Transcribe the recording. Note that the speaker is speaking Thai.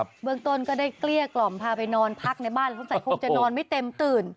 เบื้องต้นก็ได้เกลี้ยกล่อมพาไปนอนพักในบ้านแล้วสงสัยคงจะนอนไม่เต็มตื่น